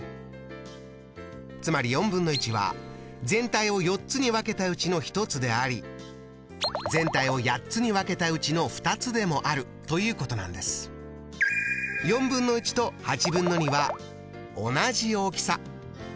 つまりは全体を４つに分けたうちの１つであり全体を８つに分けたうちの２つでもあるということなんです。とは同じ大きさ。